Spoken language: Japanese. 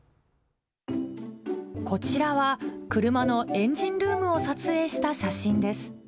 こちらは、車のエンジンルームを撮影した写真です。